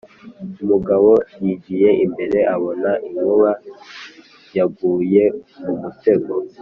Umugabo Yigiye imbere abona inkuba yaguye mu mutego